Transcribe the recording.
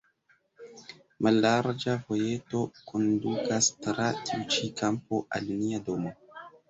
Mallarĝa vojeto kondukas tra tiu ĉi kampo al nia domo.